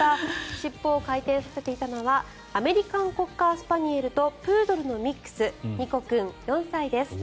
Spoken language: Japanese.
尻尾を回転させていたのはアメリカンコッカースパニエルとプードルのミックスニコ君、４歳です。